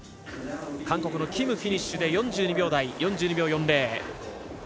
韓国のキム、フィニッシュで４２秒４０。